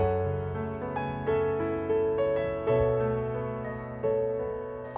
เป็นบ้านที่มันแข็งแรงได้ใช่ไหมครับค่ะครับ